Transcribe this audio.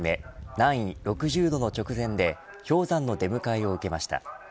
南緯６０度の直前で氷山の出迎えを受けました。